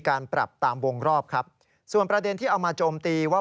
การปรับตามวงรอบครับส่วนประเด็นที่เอามาโจมตีว่า